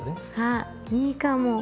あいいかも。